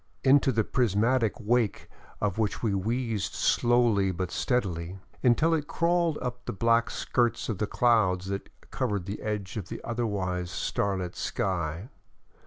Into the prismatic wake of which we wheezed slowly but steadily, until it crawled up under the black skirts of the clouds that covered the edges of an otherwise starlit sky.